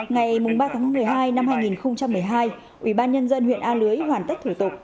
ngày ba tháng một mươi hai năm hai nghìn một mươi hai ủy ban nhân dân huyện a lưới hoàn tất thủ tục